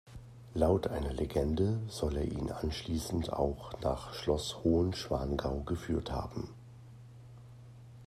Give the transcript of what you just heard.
Laut einer Legende soll er ihn anschließend auch nach Schloss Hohenschwangau geführt haben.